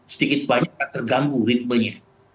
sedikit banyak yang terganggu ritmenya